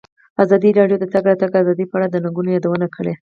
ازادي راډیو د د تګ راتګ ازادي په اړه د ننګونو یادونه کړې.